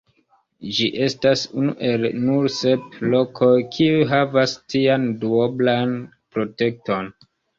Ĝi estas unu el nur sep lokoj, kiuj havas tian duoblan protekton.